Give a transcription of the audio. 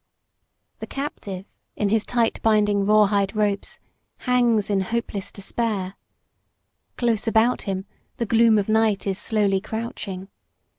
The captive in his tight binding rawhide ropes hangs in hopeless despair. Close about him the gloom of night is slowly crouching.